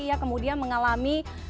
ia kemudian mengalami